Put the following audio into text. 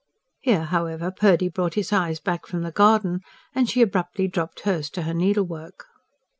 Here, however, Purdy brought his eyes back from the garden, and she abruptly dropped hers to her needlework.